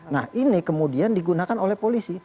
nah ini kemudian digunakan oleh polisi